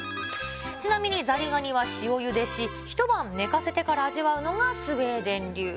ちなみにザリガニは塩ゆでし、１晩寝かせてから味わうのがスウェーデン流。